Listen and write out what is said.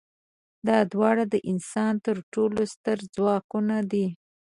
دا دواړه د انسان تر ټولو ستر ځواکونه دي.